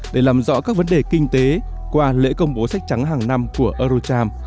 để làm rõ các vấn đề kinh tế qua lễ công bố sách trắng hàng năm của eurocharm